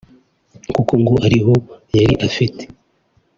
kuko ngo ariho yari afite